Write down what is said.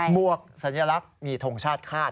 วกสัญลักษณ์มีทงชาติคาด